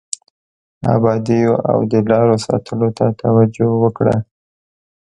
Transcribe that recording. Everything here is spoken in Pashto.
ابادیو او د لارو ساتلو ته توجه وکړه.